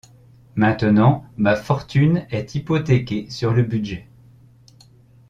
Maintenant ma fortune est hypothéquée sur le budget.